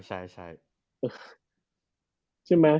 ใช่มะ